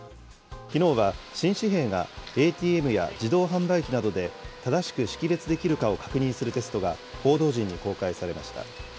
きのうは、新紙幣がＡＴＭや自動販売機などで正しく識別できるかを確認するテストが報道陣に公開されました。